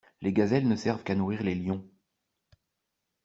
Les gazelles ne servent qu'à nourrir les lions.